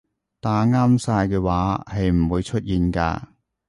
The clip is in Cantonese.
打啱晒嘅話係唔會出現㗎